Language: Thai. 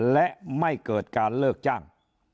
และไม่เกิดการเลิกจ้าง